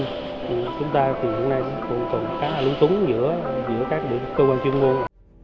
thì chúng ta thì hiện nay cũng còn khá là lúng túng giữa các cơ quan chuyên môn